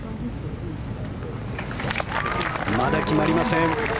まだ決まりません。